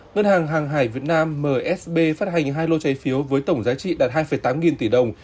ngân hàng hàng hải việt nam msb phát hành hai lô trái phiếu với tổng giá trị đạt hai tám nghìn tỷ đồng